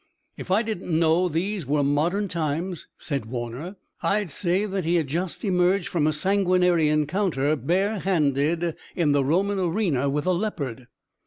"If I didn't know these were modern times," said Warner, "I'd say that he had just emerged from a sanguinary encounter bare handed in the Roman arena with a leopard."